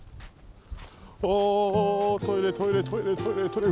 おおトイレトイレトイレトイレトイレ。